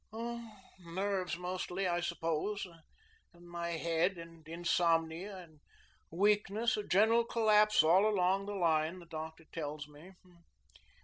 "Oh, nerves mostly, I suppose, and my head, and insomnia, and weakness, a general collapse all along the line, the doctor tells me.